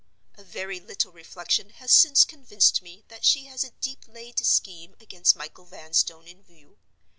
A very little reflection has since convinced me that she has a deep laid scheme against Michael Vanstone in view.